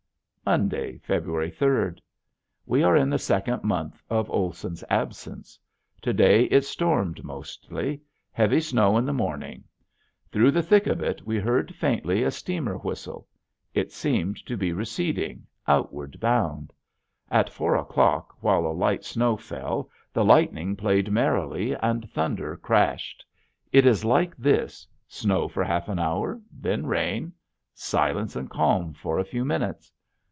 Monday, February third. We are in the second month of Olson's absence. To day it stormed mostly; heavy snow in the morning. Through the thick of it we heard faintly a steamer whistle. It seemed to be receding, outward bound. At four o'clock while a light snow fell the lightning played merrily and thunder crashed. It is like this: snow for half an hour, then rain silence and calm for a few minutes.